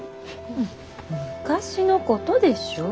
ん昔のことでしょ？